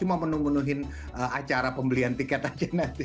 cuma menunggu nungguin acara pembelian tiket aja nanti